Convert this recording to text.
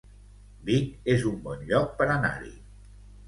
Vic es un bon lloc per anar-hi